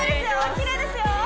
きれいですよ！